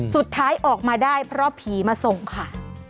สุดท้ายออกมาได้เพราะผีมาส่งค่ะ